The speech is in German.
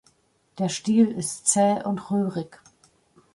Der Stiel ist zäh und röhrig.